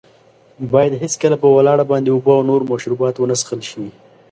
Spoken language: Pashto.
باید هېڅکله په ولاړه باندې اوبه او نور مشروبات ونه څښل شي.